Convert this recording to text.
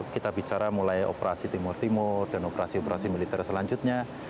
kita bicara mulai operasi timur timur dan operasi operasi militer selanjutnya